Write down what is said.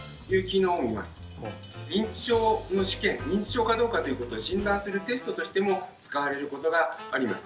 認知症の試験認知症かどうかということを診断するテストとしても使われることがあります。